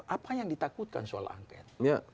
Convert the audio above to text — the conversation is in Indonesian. apa yang ditakutkan soal angket